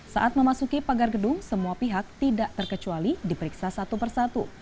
saat memasuki pagar gedung semua pihak tidak terkecuali diperiksa satu persatu